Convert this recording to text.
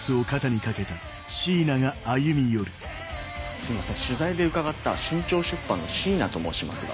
すいません取材で伺った春蔦出版の椎名と申しますが。